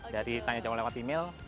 jadi tanya jawab lewat email